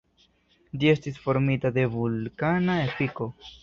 Ĝi estis formita de vulkana efiko.